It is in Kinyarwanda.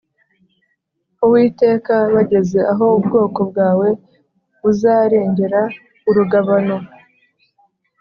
uwiteka, bageze aho ubwoko bwawe buzarengera urugabano,